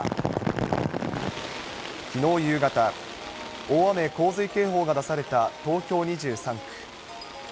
きのう夕方、大雨洪水警報が出された東京２３区。